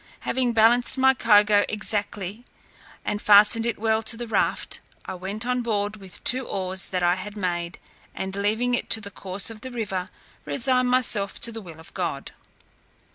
Having balanced my cargo exactly, and fastened it well to the raft, I went on board with two oars that I had made, and leaving it to the course of the river, resigned myself to the will of God.